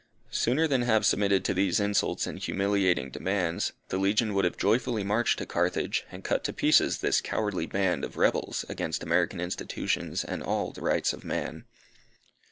Sooner than have submitted to these insults and humiliating demands, the legion would have joyfully marched to Carthage, and cut to pieces this cowardly band of rebels against American institutions and all the rights of man.